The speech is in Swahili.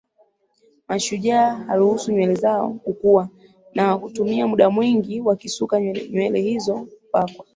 mashujaa huruhusu nywele zao kukua na hutumia muda mwingi wakisuka nywele Nywele hizo hupakwa